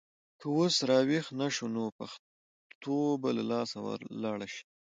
که اوس راویښ نه شو نو پښتو به له لاسه لاړه شي.